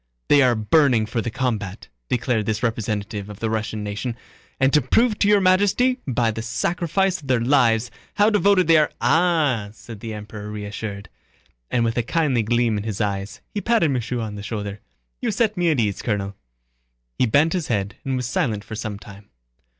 They are burning for the combat," declared this representative of the Russian nation, "and to prove to Your Majesty by the sacrifice of their lives how devoted they are...." "Ah!" said the Emperor reassured, and with a kindly gleam in his eyes, he patted Michaud on the shoulder. "You set me at ease, Colonel." He bent his head and was silent for some time.